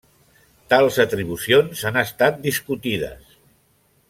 Tals atribucions han estat discutides.